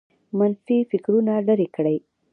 منفي فکرونه لرې کړئ